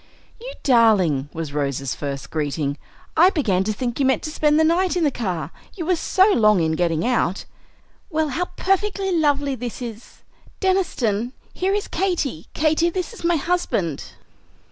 "You darling!" was Rose's first greeting. "I began to think you meant to spend the night in the car, you were so long in getting out. Well, how perfectly lovely this is! Deniston, here is Katy; Katy, this is my husband."